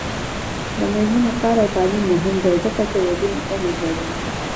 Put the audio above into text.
د میرمنو کار او تعلیم مهم دی ځکه چې ودونو عمر لوړوي.